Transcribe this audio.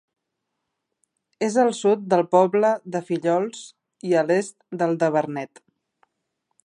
És al sud del poble de Fillols i a l'est del de Vernet.